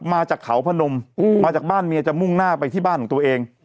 มาจากเขาพนมมาจากบ้านเมียจะมุ่งหน้าไปที่บ้านของตัวเอง